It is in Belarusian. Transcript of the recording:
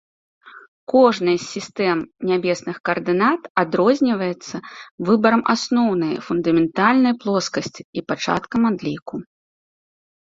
Кожнай з сістэм нябесных каардынат адрозніваецца выбарам асноўнай, фундаментальнай, плоскасці і пачаткам адліку.